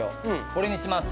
これにします。